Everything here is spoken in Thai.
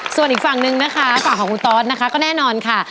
ส่วนอีกฝั่งนึงนะคะฝั่งของคุณตอสนะคะก็แน่นอนค่ะ